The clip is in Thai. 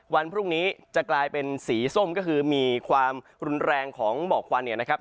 วันพรุ่งนี้จะกลายเป็นสีส้มก็คือมีความรุนแรงของหมอกควันเนี่ยนะครับ